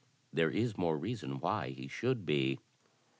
There is more reason why he should be.